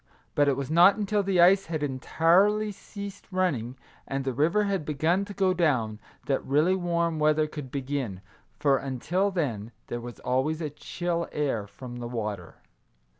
But it was not until the ice had entirely ceased running, and the river had begun to go down, that really warm weather could begin, for, until then, there was always a chill air from the water.